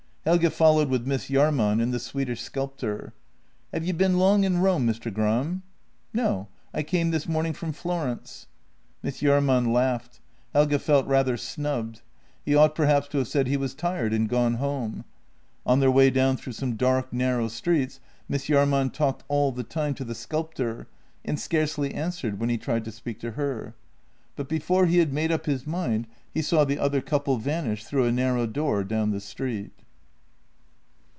Helge followed with Miss Jahrman and the Swedish sculptor. " Have you been long in Rome, Mr. Gram? "" No, I came this morning from Florence." Miss Jahrman laughed. Helge felt rather snubbed. He ought perhaps to have said he was tired, and gone home. On their way down through dark, narrow streets Miss Jahrman talked all the time to the sculptor, and scarcely answered when he tried to speak to her. But before he had made up his mind he saw the other couple vanish through a narrow door down the street.